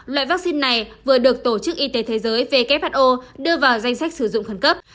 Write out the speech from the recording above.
loại vaccine này vừa được tổ chức y tế thế giới who đưa vào danh sách sử dụng khẩn cấp